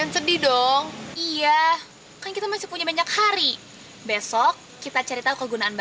sampai jumpa di video selanjutnya